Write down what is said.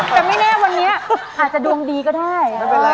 แต่ไม่แน่วันนี้อาจจะดวงดีก็ได้